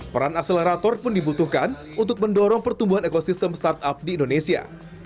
peran akselerator pun dibutuhkan untuk mendorong pertumbuhan ekosistem startup di indonesia